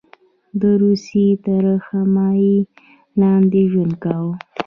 د روسیې تر حمایې لاندې ژوند کاوه.